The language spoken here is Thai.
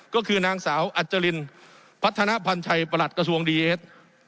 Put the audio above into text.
ก็คือนางสาวอัจจรินพัฒนพันชัยประหลัดกระทรวงดีเอส